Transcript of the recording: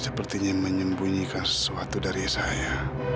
sepertinya menyembunyikan sesuatu dari saya